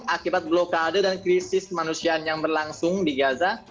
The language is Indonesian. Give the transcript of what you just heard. akibat blokade dan krisis kemanusiaan yang berlangsung di gaza